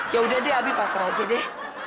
yaudah deh abi pasrah aja deh